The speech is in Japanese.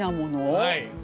はい。